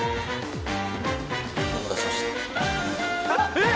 えっ！？